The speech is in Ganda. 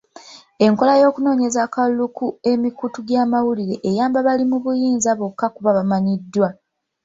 Enkola y'okunoonyeza akalulu ku emikutu gy'amawulire eyamba bali mu buyinza bokka kubanga bamanyiddwa.